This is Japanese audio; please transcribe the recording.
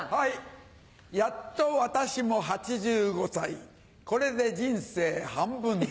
やっと私も８５歳これで人生半分だ。